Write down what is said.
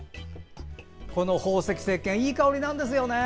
この宝石せっけんいい香りなんですよね。